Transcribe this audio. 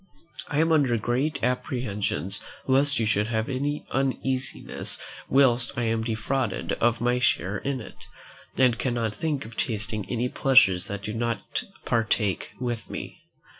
I am under great apprehensions lest you should have any uneasiness whilst I am defrauded of my share in it, and cannot think of tasting any pleasures that you do not partake with me.